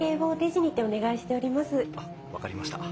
あっ分かりました。